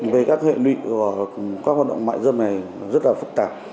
về các hệ lụy của các hoạt động mại dâm này rất là phức tạp